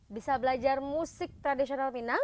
bisa belajar musik tradisional minang